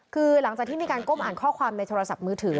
คือหลังจากที่มีการก้มอ่านข้อความในโทรศัพท์มือถือ